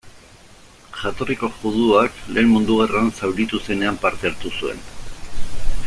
Jatorriko juduak, Lehen Mundu Gerran, zauritu zenean, parte hartu zuen.